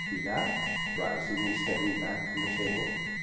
he laughed, rising and stepping back from the table.